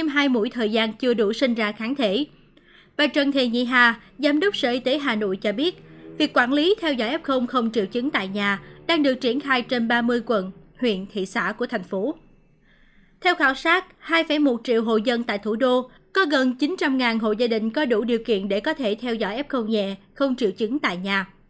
theo khảo sát hai một triệu hộ dân tại thủ đô có gần chín trăm linh hộ gia đình có đủ điều kiện để có thể theo dõi f nhẹ không triệu chứng tại nhà